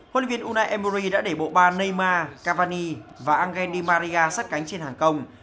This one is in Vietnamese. hội luyện viên unai emery đã để bộ ba neymar cavani và angel di maria sát cánh trên hàng công